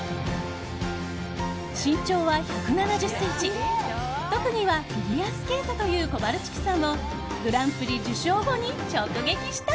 身長は１７０ｃｍ特技がフィギュアスケートというコバルチクさんをグランプリ受賞後に直撃した。